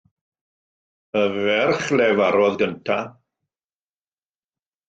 Y ferch a lefarodd gyntaf.